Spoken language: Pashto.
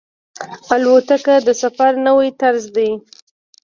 الوتکه د سفر نوی طرز دی.